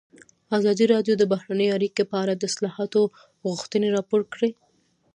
ازادي راډیو د بهرنۍ اړیکې په اړه د اصلاحاتو غوښتنې راپور کړې.